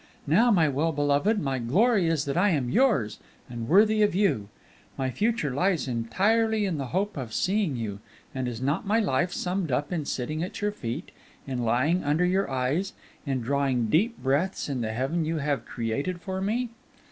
Now, my well beloved, my glory is that I am yours, and worthy of you; my future lies entirely in the hope of seeing you; and is not my life summed up in sitting at your feet, in lying under your eyes, in drawing deep breaths in the heaven you have created for me?